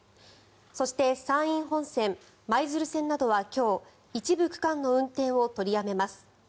そして山陰本線、舞鶴線などは今日一部区間の運転を取りやめます。